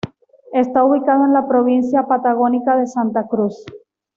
Está ubicado en la provincia patagónica de Santa Cruz.